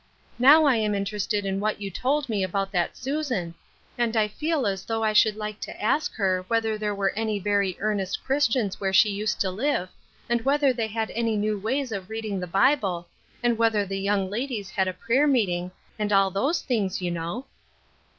Now I am interested in what you tpld me about that Susan, and I feel as though I should like to ask her whether there were an} very earnest Chi'istians where she used to live and whether they had any new ways of reading the Bible, and whether the young ladies had a prayer meeting, and all those things, you know."